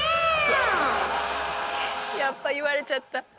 やっぱ言われちゃった。